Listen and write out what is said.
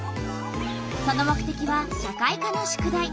その目てきは社会科の宿題。